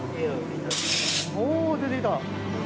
出てきた。